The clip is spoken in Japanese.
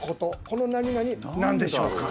この「何々」何でしょうか？